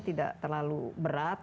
tidak terlalu berat